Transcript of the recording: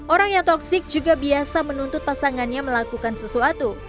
orang yang toxic juga biasa menuntut pasangannya melakukan sesuatu